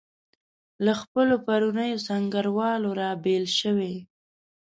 له خپلو پرونیو سنګروالو رابېل شوي.